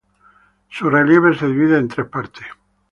Su relieve se divide en tres partes.